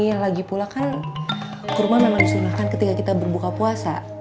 iya lagi pula kan kurma memang disunahkan ketika kita berbuka puasa